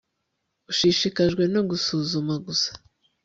ushishikajwe no gusuzuma gusa